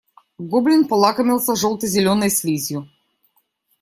Гоблин полакомился желто-зеленой слизью.